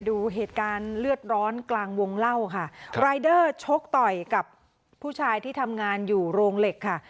ดูเหตุการณ์เลือดร้อนกลางวงเล่าค่ะรายเดอร์ชกต่อยกับผู้ชายที่ทำงานอยู่โรงเหล็กค่ะ